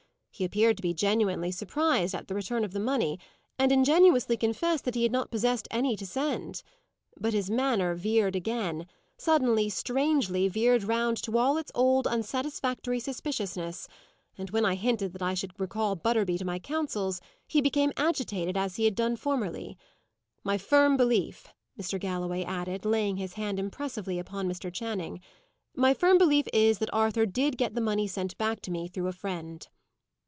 He appeared to be genuinely surprised at the return of the money, and ingenuously confessed that he had not possessed any to send. But his manner veered again suddenly, strangely veered round to all its old unsatisfactory suspiciousness; and when I hinted that I should recall Butterby to my counsels, he became agitated, as he had done formerly. My firm belief," Mr. Galloway added, laying his hand impressively upon Mr. Channing "my firm belief is, that Arthur did get the money sent back to me through a friend."